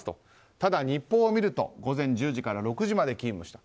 ただ、日報を見ると午前１０時から６時まで勤務していた。